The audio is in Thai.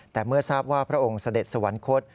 แต่เมื่อทราบว่าพระองค์เสด็จสวรรคต